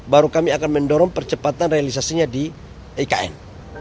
baru kami akan mendorong percepatan realisasinya di ikn